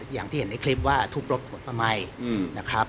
อย่างที่เห็นในคลิปว่าทุบรถผมทำไมนะครับ